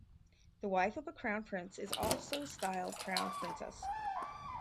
The wife of a crown prince is also styled crown princess.